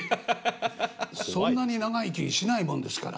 そんなに長生きしないもんですから。